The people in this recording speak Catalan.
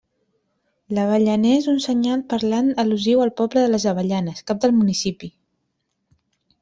L'avellaner és un senyal parlant al·lusiu al poble de les Avellanes, cap del municipi.